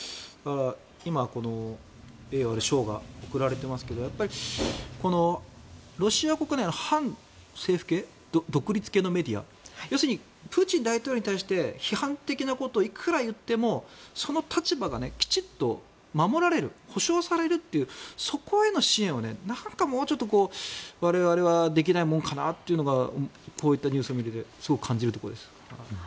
今、栄誉ある賞が贈られていますがやっぱりこのロシア国内の反政府系、独立系のメディア要するにプーチン大統領に対して批判的なことをいくら言ってもその立場がきちんと守られる保証されるというそこへの支援をなかなかもうちょっと我々はできないものかなというのがこういったニュースを見ててすごく感じるところです。